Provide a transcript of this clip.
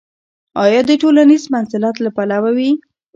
یا د ټولنیز منزلت له پلوه وي.